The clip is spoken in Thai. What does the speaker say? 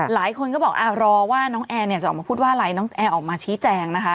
หลายคนก็บอกรอว่าน้องแอร์เนี่ยจะออกมาพูดว่าอะไรน้องแอร์ออกมาชี้แจงนะคะ